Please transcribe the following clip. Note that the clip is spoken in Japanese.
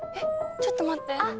ちょっと待って。